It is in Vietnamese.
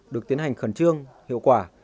được tiến hành khẩn trương hiệu quả